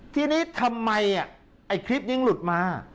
ที่นี้ทำไมอ่ะไอ้คลิปนี้ลุดมา